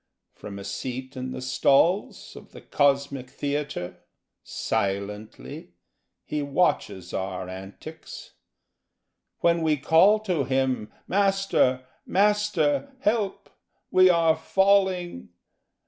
From a seat in the stalls Of the cosmic theatre Silently He watches our antics. When we call to him 'Master, Master! Help, we are falling!'